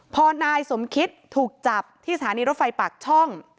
พอนายสมคิตถูกจับที่สถานีรถไฟปากช่อง